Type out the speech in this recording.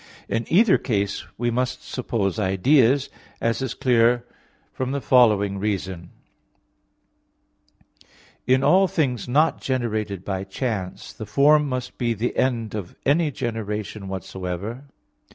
In either case we must suppose ideas, as is clear for the following reason: In all things not generated by chance, the form must be the end of any generation whatsoever.